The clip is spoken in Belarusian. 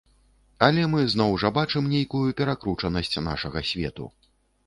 Але мы зноў жа бачым нейкую перакручанасць нашага свету.